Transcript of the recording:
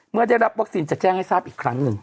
เมื่อได้รับวัคซีนจะแจ้งให้ทราบอีกครั้งหนึ่ง